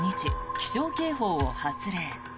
気象警報を発令。